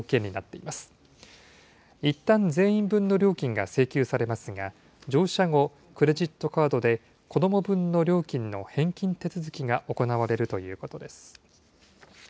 いったん全員分の料金が請求されますが、乗車後、クレジットカードで子ども分の料金の返金手続きが行われるということです。